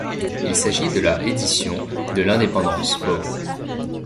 Il s'agit de la édition de l'independence Bowl.